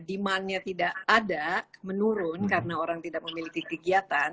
demandnya tidak ada menurun karena orang tidak memiliki kegiatan